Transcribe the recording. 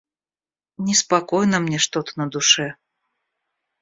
Неспокойно мне что-то на душе.